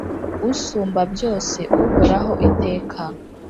Usumbabyose uhoraho iteka